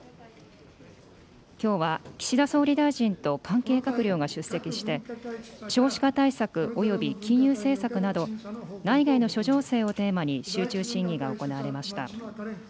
きょうは岸田総理大臣と関係閣僚が出席して、少子化対策および金融政策など、内外の諸情勢をテーマに、集中審議が行われました。